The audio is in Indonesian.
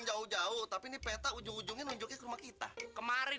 jauh jauh tapi peta ujung ujungnya menunjukkan rumah kita kemarin